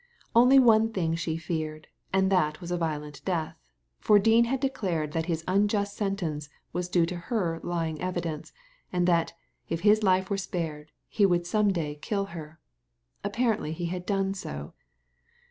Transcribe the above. Only one thing she feared, and that was a violent death ; for Dean had declared that his unjust sentence was due to her lying evidence, and that, if his life were spared, he would some day kill her. Apparently he had done so.